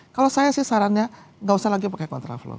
kalau saya sih sarannya nggak usah lagi pakai kontraflow